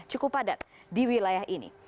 cukup padat di wilayah ini